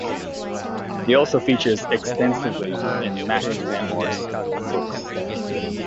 He also features extensively in Mac Liammoir's books.